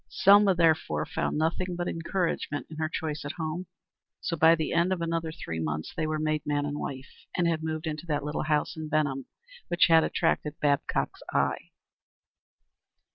Selma, therefore, found nothing but encouragement in her choice at home; so by the end of another three months they were made man and wife, and had moved into that little house in Benham which had attracted Babcock's eye.